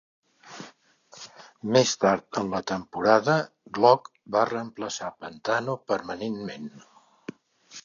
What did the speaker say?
Més tard en la temporada, Glock va reemplaçar Pantano permanentment.